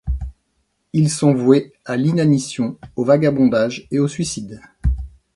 Ils sont voués à l’inanition, au vagabondage et au suicide.